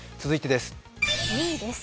２位です。